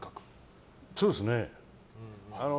そうですね。